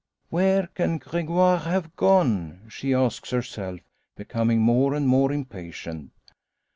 "Where can Gregoire have gone?" she asks herself, becoming more and more impatient.